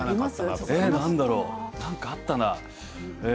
何かあったな。